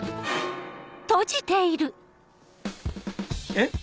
えっ？